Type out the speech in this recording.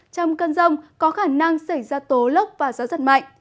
trong cơn rông có khả năng xảy ra tố lốc và gió giật mạnh